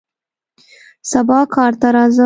سبا کار ته راځم